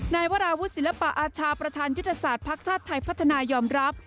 นายวราวุฒิศิลปะอาชาประธานยุทธศาสตร์ภักดิ์ชาติไทยพัฒนายอมรับ